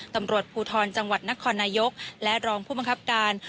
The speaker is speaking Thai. ตำรวจภูทรจังหวัดนครนายกและรองผู้บังคับการ